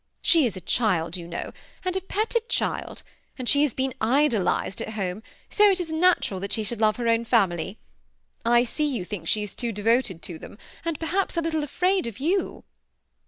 She is a child, you know, and a petted child ; and she has been idolized at home, so it is natural that she should love h^ own family. I see you think she is too much devoted to them, and perhaps a little afraid of you."